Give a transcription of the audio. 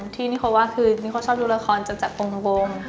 ที่นิโค่ว่าคือนิโค่ชอบดูละครจากองค์